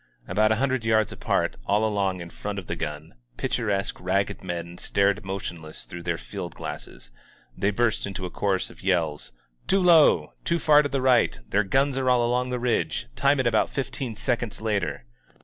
About a himdred yards apart, all along in front of the gun, picturesque ragged men stared motionless through their field glasses. They burst into a chorus of yells, ^^Too low ! Too far to the right! Their guns are all along the ridge! Time it about fifteen seconds later!"